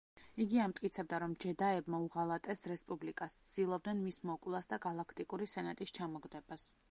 იგი ამტკიცებდა, რომ ჯედაებმა უღალატეს რესპუბლიკას, ცდილობდნენ მის მოკვლას და გალაქტიკური სენატის ჩამოგდებას.